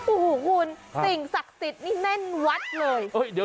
โอ้โหคุณสิ่งศักดิ์สิทธิ์นี่แน่นวัดเลย